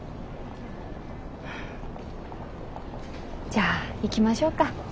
じゃ行きましょうか。